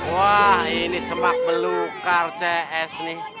wah ini semak belukar cs nih